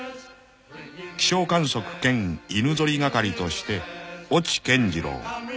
［気象観測兼犬ぞり係として越智健二郎］